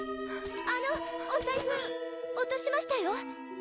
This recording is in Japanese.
あのおさいふ落としましたよ。